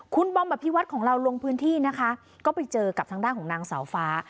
คุณบอมอภิวัตรของเราลงพื้นที่นะคะก็ไปเจอกับทางด้านของนางสาวฟ้า